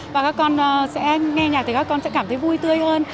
và các con sẽ nghe nhạc thì các con sẽ cảm thấy vui tươi hơn